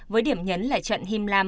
với điểm nhấn là trận him lam